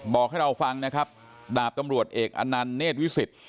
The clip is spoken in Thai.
บอกให้เราฟังนะครับดาบตำรวจเอกอนันต์เนธวิสิทธิ์